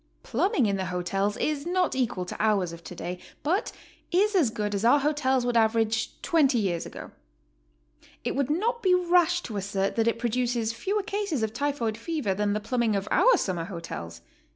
Plumbing in the hotels is not equal to ours of today, but is as good as our hotels would average twenty years ago. It would not be rash to assert that it produces fewer cases of typhoid fever than the plumbing of our summer hotels.